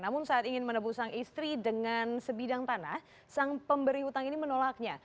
namun saat ingin menebu sang istri dengan sebidang tanah sang pemberi hutang ini menolaknya